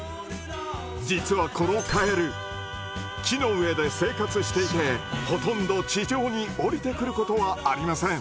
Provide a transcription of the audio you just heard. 実はこのカエル木の上で生活していてほとんど地上におりてくることはありません。